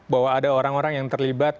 bahwa ada orang orang yang terlibat